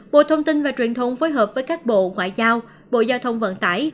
bộ thông tin và truyền thông phối hợp với các bộ ngoại giao bộ giao thông vận tải